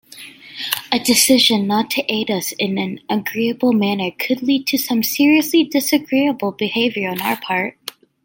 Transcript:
A decision not to aid us in an agreeable manner could lead to some seriously disagreeable behaviour on our part.